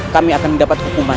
kami akan mendapat hukuman